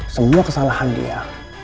semua kesalahan dia